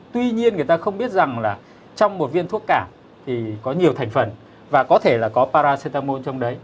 tuy nhiên người ta không biết rằng là trong một viên thuốc cảm thì có nhiều thành phần và có thể là có paracetamol trong đấy